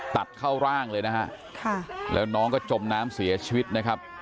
ตัดเข้าร่างเลยนะฮะแล้วน้องก็จมน้ำเสียชีวิตนะครับ